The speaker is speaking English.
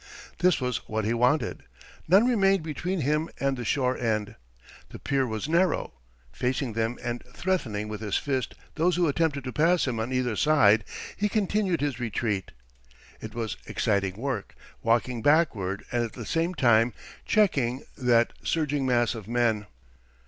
This was what he wanted. None remained between him and the shore end. The pier was narrow. Facing them and threatening with his fist those who attempted to pass him on either side, he continued his retreat. It was exciting work, walking backward and at the same time checking that surging mass of men.